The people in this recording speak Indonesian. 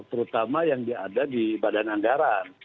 terutama yang ada di badan anggaran